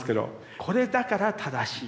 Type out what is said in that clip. これだから正しい。